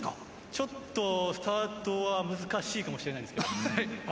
ちょっとスタートは難しいかもしれないんですけど。